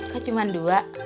gak cuman dua